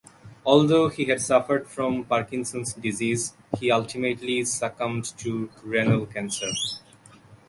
Although he had suffered from Parkinson's disease, he ultimately succumbed to renal cancer.